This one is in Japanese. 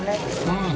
うん。